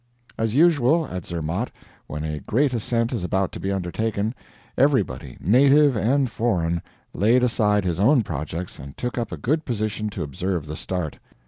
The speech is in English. As usual, at Zermatt, when a great ascent is about to be undertaken, everybody, native and foreign, laid aside his own projects and took up a good position to observe the start.